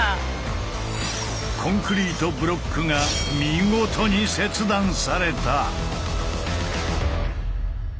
コンクリートブロックが見事に切断された。